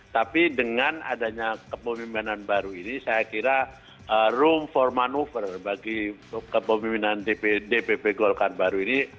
tapi dengan adanya kepemimpinan baru ini saya kira room for manuver bagi kepemimpinan dpp golkar baru ini